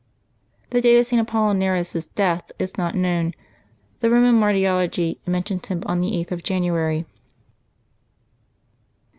The date of St. Apollinaris' death is not known; the Eoman Martyrology mentions him on the 8th of January.